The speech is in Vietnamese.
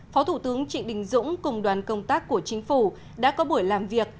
phó thủ tướng trịnh đình dũng cùng đoàn công tác của chính phủ đã có buổi làm việc